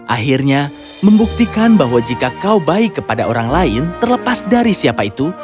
akhirnya membuktikan bahwa jika kau baik kepada orang lain terlepas dari siapa itu